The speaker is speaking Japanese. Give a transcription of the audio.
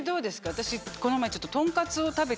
私この前。